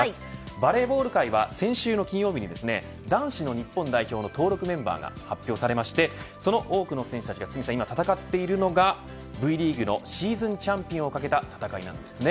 バレーボール界は先週の金曜日に男子の日本代表の登録メンバーが発表されましてその多くの選手たちが今戦っているのがＶリーグのシーズンチャンピオンをかけた戦いなんですね。